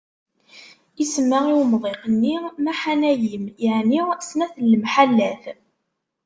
Isemma i umḍiq-nni Maḥanayim, yeɛni snat n lemḥallat.